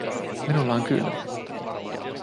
Minulla on kylmä